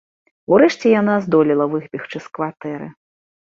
Урэшце яна здолела выбегчы з кватэры.